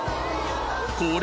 これ！